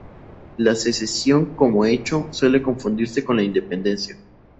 La secesión, como hecho, suele confundirse con la independencia.